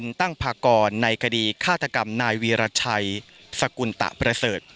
ในคดีฆาตกรรมนายวีรชัยสกุลตะประเสริฐ